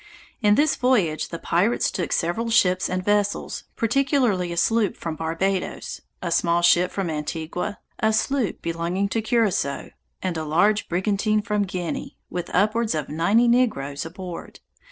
In this voyage the pirates took several ships and vessels, particularly a sloop from Barbadoes, a small ship from Antigua, a sloop belonging to Curaçoa, and a large brigantine from Guinea, with upwards of ninety negroes aboard.